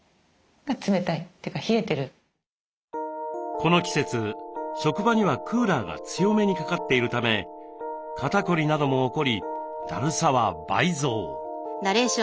この季節職場にはクーラーが強めにかかっているため肩凝りなども起こりだるさは倍増。